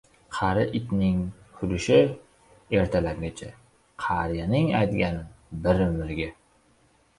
• Qari itning hurishi — ertalabgacha, qariyaning aytgani — bir umrga.